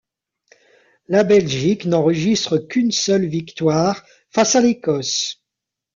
La Belgique n'enregistre qu'une seule victoire, face à l'Écosse.